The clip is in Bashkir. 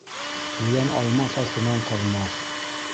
Ҡуян алмаҫ, артынан ҡалмаҫ.